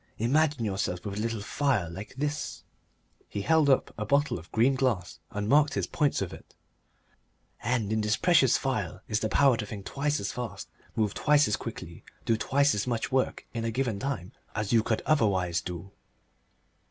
Imagine yourself with a little phial like this" he held up a little bottle of green glass and marked his points with it "and in this precious phial is the power to think twice as fast, move twice as quickly, do twice as much work in a given time as you could otherwise do."